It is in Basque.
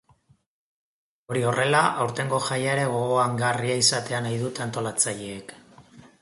Hori horrela, aurtengo jaia ere gogoangarria izatea nahi dute antolatzaileek.